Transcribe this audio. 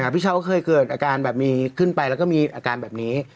พี่เช้าก็เคยเกิดอาการแบบมีขึ้นไปแล้วก็มีอาการแบบนี้